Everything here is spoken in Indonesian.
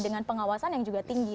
dengan pengawasan yang juga tinggi